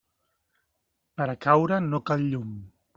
Per a caure no cal llum.